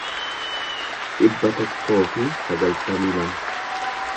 dhibba tokkoo fi sagaltamii lama